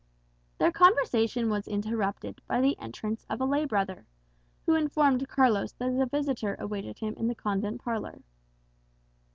Their conversation was interrupted by the entrance of a lay brother, who informed Carlos that a visitor awaited him in the convent parlour.